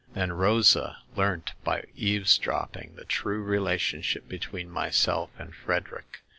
Then Rosa learnt, by eavesdropping, the true relationship between myself and Frederick.